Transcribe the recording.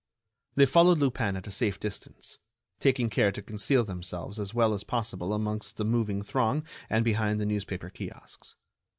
They followed Lupin at a safe distance, taking care to conceal themselves as well as possible amongst the moving throng and behind the newspaper kiosks.